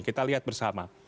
kita lihat bersama